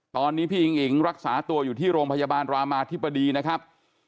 ตอนนี้พี่อิงอิ๋งรักษาตัวอยู่ที่โรงพยาบาลรามาธิบดีนะครับ